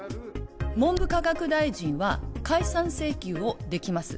文部科学大臣は、解散請求をできます。